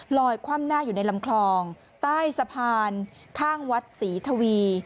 คว่ำหน้าอยู่ในลำคลองใต้สะพานข้างวัดศรีทวี